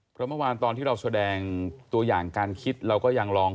เพราะเมื่อวานตอนที่เราแสดงตัวอย่างการคิดเราก็ยังลอง